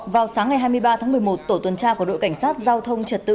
vào sáng ngày hai mươi ba tháng một mươi một tổ tuần tra của đội cảnh sát giao thông trật tự